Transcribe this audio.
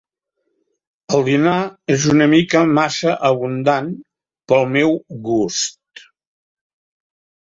El dinar és una mica massa abundant, pel meu gust.